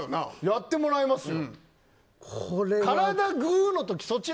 やってもらいますよ。